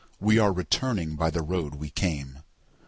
We are returning by the road we came.